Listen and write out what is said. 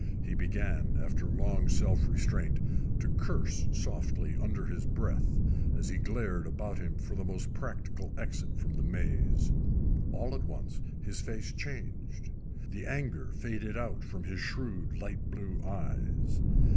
He began, after long self restraint, to curse softly under his breath, as he glared about him for the most practical exit from the maze. All at once his face changed. The anger faded out from his shrewd light blue eyes.